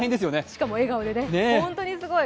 しかも笑顔で本当にすごい。